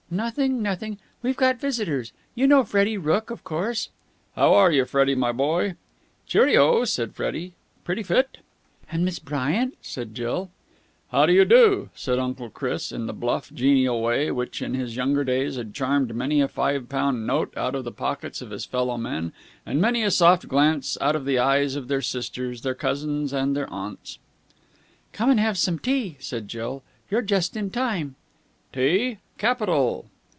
"Nothing, nothing.... We've got visitors. You know Freddie Rooke, of course?" "How are you, Freddie, my boy?" "Cheerio!" said Freddie. "Pretty fit?" "And Miss Bryant," said Jill. "How do you do?" said Uncle Chris in the bluff, genial way which, in his younger days, had charmed many a five pound note out of the pockets of his fellow men and many a soft glance out of the eyes of their sisters, their cousins, and their aunts. "Come and have some tea," said Jill. "You're just in time." "Tea? Capital!"